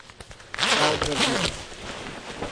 Pau Brasil